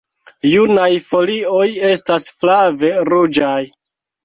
Junaj folio estas flave ruĝaj.